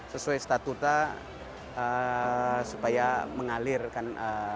sesuai statuta supaya mengalir kan